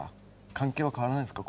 関係は変わらないですか？